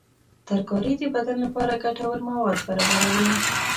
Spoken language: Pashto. ترکاري د بدن لپاره ګټور مواد برابروي.